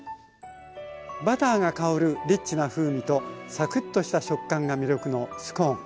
バターが香るリッチな風味とサクッとした食感が魅力のスコーン。